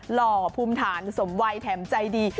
หล่อภูมิฐานสมวัยแถมใจดี